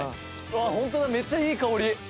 ホントだめっちゃいい香り。